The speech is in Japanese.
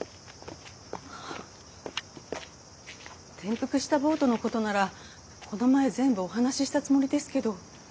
転覆したボートのことならこの前全部お話ししたつもりですけど。